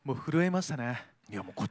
震えましたね。